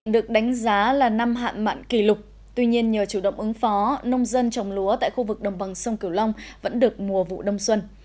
được đánh giá là năm hạn mặn kỷ lục tuy nhiên nhờ chủ động ứng phó nông dân trồng lúa tại khu vực đồng bằng sông cửu long vẫn được mùa vụ đông xuân